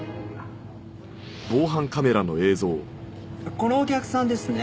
このお客さんですね。